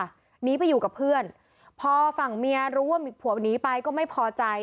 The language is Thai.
หนีไปอยู่กับเพื่อนพอฝั่งเมียรู้ว่าผัวหนีไปก็ไม่พอใจ